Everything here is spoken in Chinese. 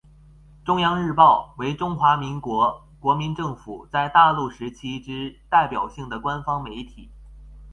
中央日报为中华民国国民政府在大陆时期之代表性的官方媒体。